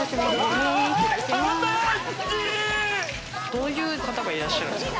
どういう方が、いらっしゃるんですか？